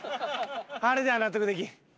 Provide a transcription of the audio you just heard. あれでは納得できん。